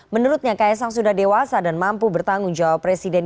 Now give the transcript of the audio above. menurutnya kaisang sudah dewasa dan mampu bertanggung jawab presiden